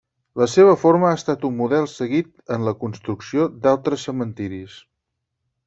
La seva forma ha estat un model seguit en la construcció d'altres cementiris.